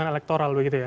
hanya elektoral begitu ya